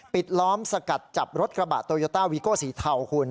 ล้อมสกัดจับรถกระบะโตโยต้าวีโก้สีเทาคุณ